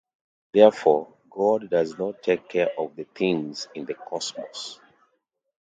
Therefore, god does not take care of the things in the cosmos.